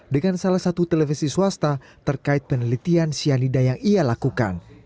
dengan salah satu televisi swasta terkait penelitian cyanida yang ia lakukan